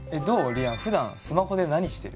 りあんふだんスマホで何してる？